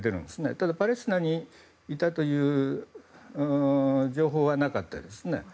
ただ、パレスチナにいたという情報はなかったです。